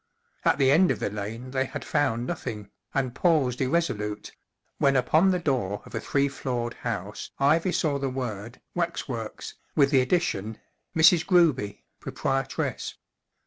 At the end of the lane they had found nothing, and paused irre¬ solute, when upon the door of a t h ree fl oored house I v y saw the word Jf Wax works/* with the addition: "'Mrs. Grobv, Froprie Henry the doc r which tress.